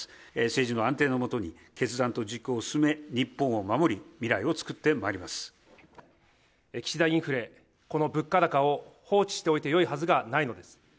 政治の安定のもとに決断と実行を進め、日本を守り、岸田インフレ、この物価高を放置しておいてよいはずがないのです。